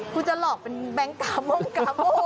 คุณจะหลอกเป็นแบงก์กาม่วงกาม่ว